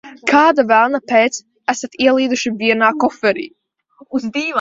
Kāda velna pēc esat ielīduši vienā koferī?